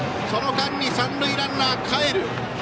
その間に三塁ランナーかえる。